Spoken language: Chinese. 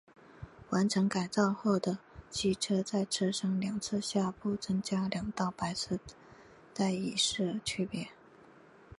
完成改造后的机车在车身两侧下部增加了两道白色带以示区别。